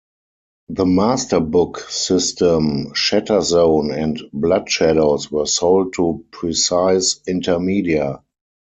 The Masterbook System, Shatterzone and Bloodshadows were sold to Precis Intermedia.